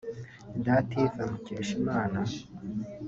Dative Mukeshimana